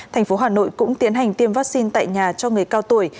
thành phố hà nội cũng tiến hành tiêm vaccine tại nhà cho người cao tuổi